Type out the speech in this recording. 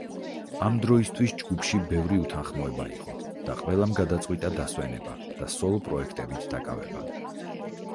ამ დროისთვის ჯგუფში ბევრი უთანხმოება იყო და ყველამ გადაწყვიტა დასვენება და სოლო პროექტებით დაკავება.